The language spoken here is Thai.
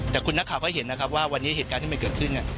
แต่คุณนักขาว่านี่เหตุการณ์เกิดขึ้น